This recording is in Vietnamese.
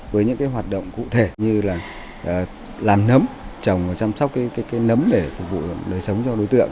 với những hoạt động cụ thể như là làm nấm trồng và chăm sóc nấm để phục vụ đời sống cho đối tượng